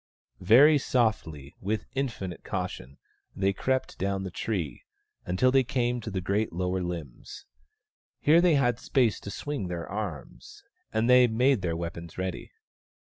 Very softly, with infinite caution, they crept down the tree, until they came to the great lower limbs. Here they had space to swing their arms, and they made their weapons ready.